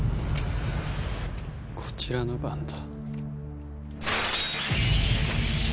こちらの番だ。